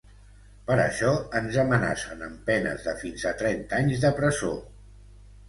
Per això ens amenacen amb penes de fins a trenta anys de presó.